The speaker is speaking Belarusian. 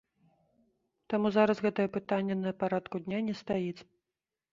Таму зараз гэтае пытанне на парадку дня не стаіць.